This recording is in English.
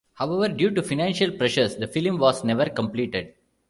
However, due to financial pressures, the film was never completed.